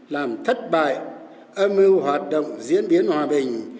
làm thất bại âm mưu hoạt động diễn biến hòa bình